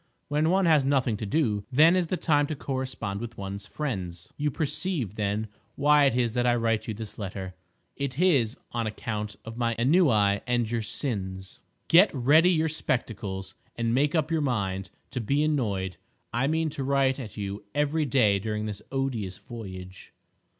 When one has nothing to do, then is the time to correspond with ones friends. You perceive, then, why it is that I write you this letter—it is on account of my ennui and your sins. Get ready your spectacles and make up your mind to be annoyed. I mean to write at you every day during this odious voyage.